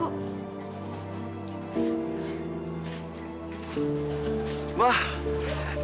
aku jadi nge tempat ini